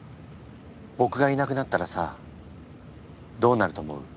僕がいなくなったらさどうなると思う？